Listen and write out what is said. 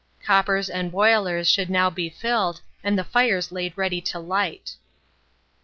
Coppers and boilers should now be filled, and the fires laid ready to light. 2377.